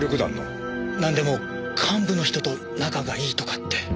なんでも幹部の人と仲がいいとかって。